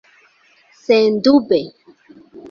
Sendube.